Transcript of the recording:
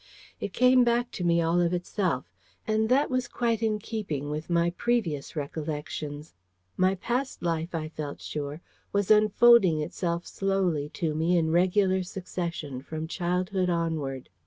It came back to me all of itself. And that was quite in keeping with my previous recollections. My past life, I felt sure, was unfolding itself slowly to me in regular succession, from childhood onward.